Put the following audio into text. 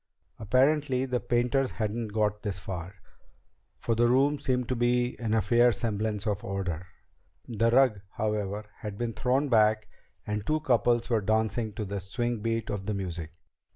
Apparently the painters hadn't got this far, for the room seemed to be in a fair semblance of order. The rug, however, had been thrown back and two couples were dancing to the swing beat of the music.